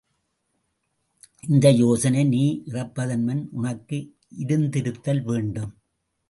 இந்த யோசனை நீ இறப்பதன் முன் உனக்கு இருந்திருத்தல் வேண்டும்.